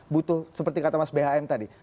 butuh seperti kata mas bhm tadi